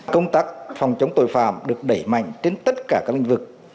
công tác phòng chống tội phạm được đẩy mạnh trên tất cả các lĩnh vực